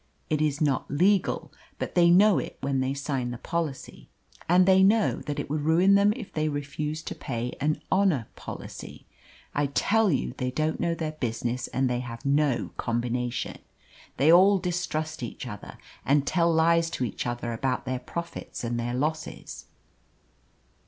It is not legal, but they know it when they sign the policy; and they know that it would ruin them if they refused to pay an 'honour policy.' I tell you they don't know their business and they have no combination. They all distrust each other, and tell lies to each other about their profits and their losses.